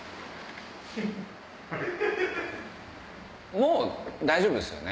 もう大丈夫ですよね？